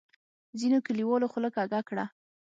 ځینو کلیوالو خوله کږه کړه.